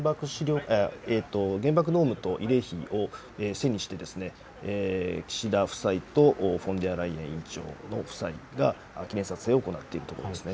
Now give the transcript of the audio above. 原爆ドームと慰霊碑を背にして岸田夫妻とフォンデアライエン委員長の夫妻が記念撮影を行っているところですね。